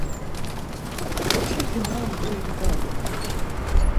Ǩoçiti mamt̆u igzalu.